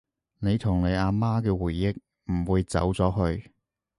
你同你阿媽嘅回憶唔會走咗去